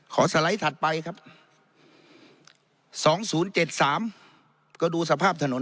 ขอสไลด์ถัดไปครับสองศูนย์เจ็ดสามก็ดูสภาพถนน